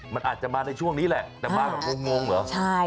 มันอาจจะมาในช่วงนี้แหละแต่มาแบบงงเหรอใช่